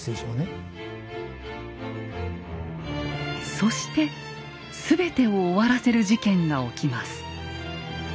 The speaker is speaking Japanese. そして全てを終わらせる事件が起きます。